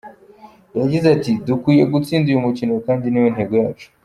Yagize ati “Dukwiye gutsinda uyu mukino kandi ni yo ntego yacu.